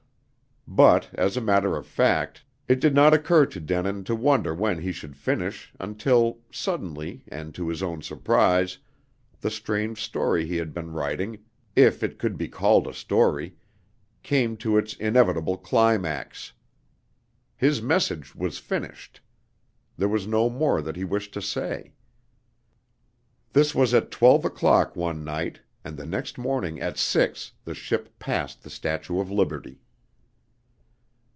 But, as a matter of fact, it did not occur to Denin to wonder when he should finish until, suddenly and to his own surprise, the strange story he had been writing if it could be called a story came to its inevitable climax. His message was finished. There was no more that he wished to say. This was at twelve o'clock one night, and the next morning at six the ship passed the Statue of Liberty.